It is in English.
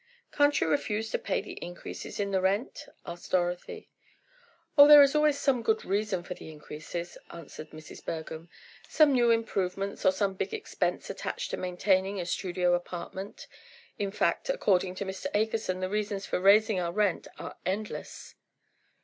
"Can't you refuse to pay the increases in the rent?" asked Dorothy. "Oh, these is always some good reason for the increases," answered Mrs. Bergham. "Some new improvements, or some big expense attached to maintaining a studio apartment, in fact, according to Mr. Akerson, the reasons for raising our rent are endless."